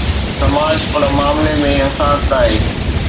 سماج ان معاملي ۾ حساس ناهي.